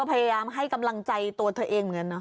พยายามให้กำลังใจตัวเธอเองเหมือนกัน